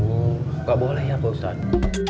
tidak boleh ya pak ustadz